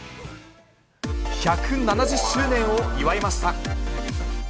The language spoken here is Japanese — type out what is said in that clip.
１７０周年を祝いました。